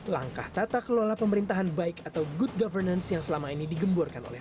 langkah tata kelola pemerintahan baik atau good governance yang selama ini digemburkan oleh